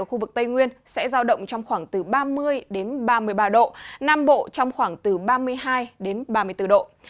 ở khu vực tây nguyên sẽ giao động trong khoảng từ ba mươi ba mươi ba độ nam bộ trong khoảng từ ba mươi hai đến ba mươi bốn độ